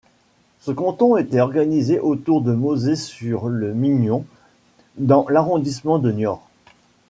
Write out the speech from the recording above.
Ce canton était organisé autour de Mauzé-sur-le-Mignon dans l'arrondissement de Niort.